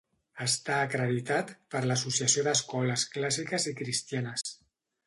Està acreditat per l'Associació d'Escoles Clàssiques i Cristianes.